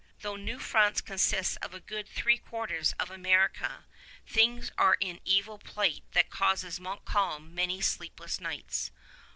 Though New France consists of a good three quarters of America, things are in evil plight that causes Montcalm many sleepless nights.